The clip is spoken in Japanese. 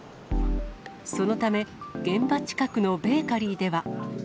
そのため、現場近くのベーカリーでは。